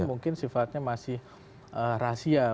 mungkin sifatnya masih rahasia